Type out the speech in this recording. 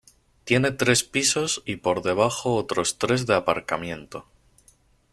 Tiene tres pisos y por debajo otros tres de aparcamiento.